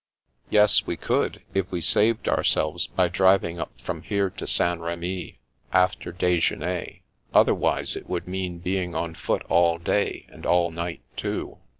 " Yes, we could, if we saved ourselves by driving up from here to St. Rhemy, after dSjeuner, other wise it would mean being on foot all day and all night too.